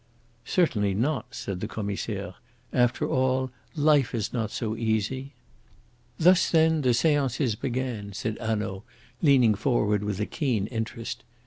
"Certainly not," said the Commissaire. "After all, life is not so easy." "Thus, then, the seances began," said Hanaud, leaning forward with a keen interest.